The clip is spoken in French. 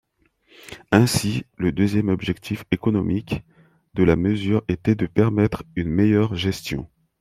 Ainsi, le deuxième objectif économique de la mesure était de permettre une meilleure gestion.